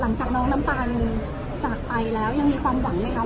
หลังจากน้องน้ำตาลจากไปแล้วยังมีความหวังไหมคะ